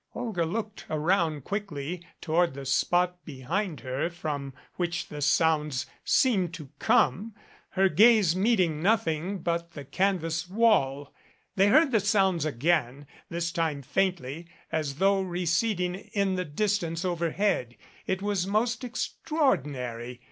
Olga looked around quickly toward the spot behind her from which the sounds seemed to come, her gaze meeting nothing but the canvas wall. They heard the sounds again, this time faintly, as though receding in the distance overhead. It was most extraordinary.